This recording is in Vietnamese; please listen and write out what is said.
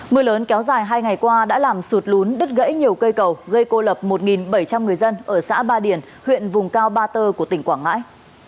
mưa lớn kéo dài hai ngày qua đã làm sụt lún đứt gãy nhiều cây cầu gây cô lập một bảy trăm linh người dân ở xã ba điền huyện vùng cao ba tơ của tỉnh quảng ngãi